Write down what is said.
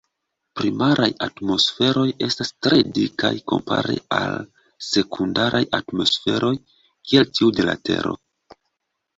Primaraj atmosferoj estas tre dikaj kompare al sekundaraj atmosferoj kiel tiu de la Tero.